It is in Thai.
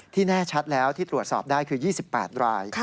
แน่ชัดแล้วที่ตรวจสอบได้คือ๒๘ราย